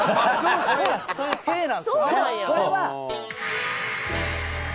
そういう体なんですよね。